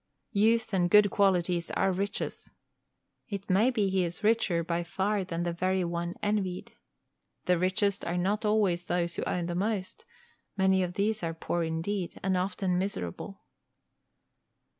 Youth and good qualities are riches. It may be he is richer by far than the very one envied. The richest are not always those who own the most many of these are poor indeed, and often miserable.